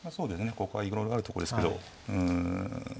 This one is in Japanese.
ここはいろいろあるところですけどうん。